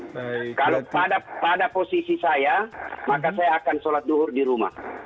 kalau pada posisi saya maka saya akan sholat duhur di rumah